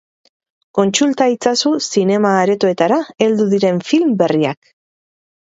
Kontsulta itzazu zinema-aretoetara heldu diren film berriak.